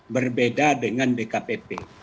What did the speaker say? berbeda dengan dkpp